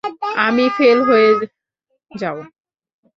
আমি ফেল হয়ে যাও।